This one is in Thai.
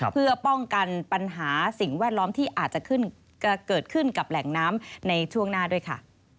เพื่อป้องกันปัญหาสิ่งแวดล้อมที่อาจจะเกิดขึ้นกับแหล่งน้ำในช่วงหน้าด้วยค่ะ